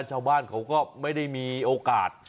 ชาวบ้านเขาก็ไม่ได้มีโอกาส